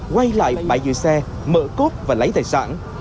quay lại bãi dự xe mở cốt và lấy tài sản